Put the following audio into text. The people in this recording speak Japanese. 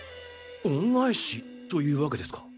恩返しというわけですか。